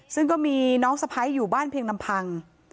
ซึ่งก็มีน้องสะพ้ายอยู่บ้านเพียงลำพัง